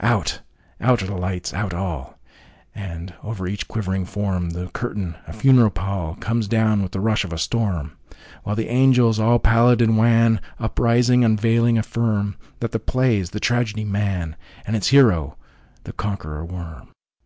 Out—out are the lights—out all! And, over each quivering form, The curtain, a funeral pall, Comes down with the rush of a storm, While the angels, all pallid and wan, Uprising, unveiling, affirmThat the play is the tragedy, 'Man,'And its hero the Conqueror Worm.